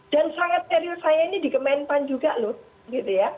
dan sangat teril saya ini dikemenpan juga lut